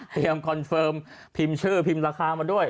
คอนเฟิร์มพิมพ์ชื่อพิมพ์ราคามาด้วย